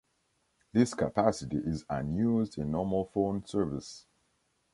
This capacity is unused in normal phone service.